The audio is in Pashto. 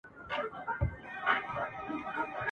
چي اصل تصویر پټ وي ..